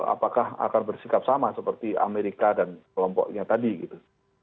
apakah akan bersikap sama seperti amerika dan kelompoknya tadi gitu